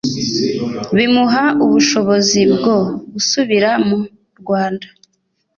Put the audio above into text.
bimuha ubushobozi bwo gusubira mu Rwanda